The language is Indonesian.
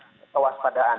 justru malah naik kewaspadaan